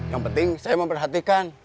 yang penting saya memperhatikan